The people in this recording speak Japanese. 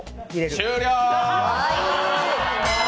終了！